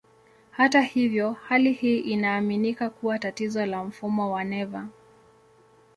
Hata hivyo, hali hii inaaminika kuwa tatizo la mfumo wa neva.